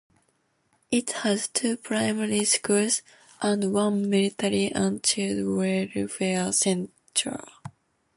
It has two primary schools and one maternity and child welfare centre.